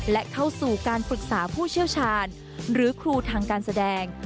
และเข้าสู่การปรึกษาผู้เชี่ยวชาญหรือครูทางการแสดง